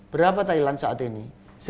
berapa thailand saat ini